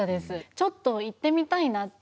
ちょっと行ってみたいなって。